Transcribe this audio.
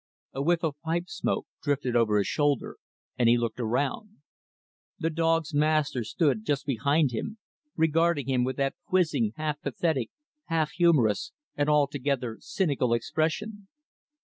A whiff of pipe smoke drifted over his shoulder, and he looked around. The dog's master stood just behind him; regarding him with that quizzing, half pathetic, half humorous, and altogether cynical expression.